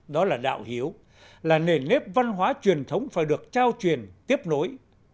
đó là đạo hiếu là nền nếp văn hóa truyền thống phải được trao truyền tiếp nối